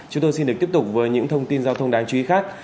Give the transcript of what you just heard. chúng tôi xin được tiếp tục với những thông tin giao thông đáng chú ý khác